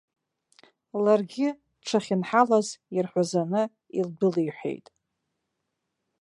Ларгьы дшахьынҳалаз ирҳәазаны илдәылиҳәеит.